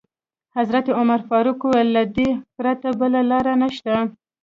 حضرت عمر فاروق وویل: له دې پرته بله لاره نشته.